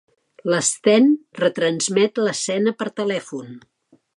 L'Sten retransmet l'escena per telèfon.